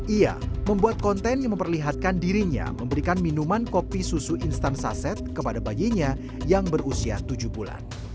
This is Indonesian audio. ia membuat konten yang memperlihatkan dirinya memberikan minuman kopi susu instan saset kepada bayinya yang berusia tujuh bulan